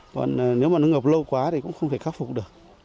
còn nếu mà nó ngập lâu quá thì cũng không thể khắc phục được